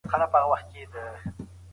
ټولنه د حقونو په پیژندلو سره پرمختګ کوي.